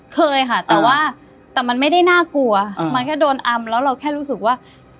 เคยค่ะแต่ว่าแต่มันไม่ได้น่ากลัวมันแค่โดนอำแล้วเราแค่รู้สึกว่า